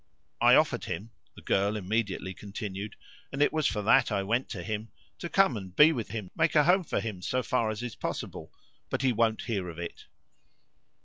I offered him," the girl immediately continued "and it was for that I went to him to come and be with him, make a home for him so far as is possible. But he won't hear of it."